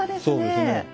そうですね。